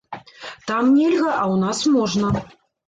Там нельга, а ў нас можна.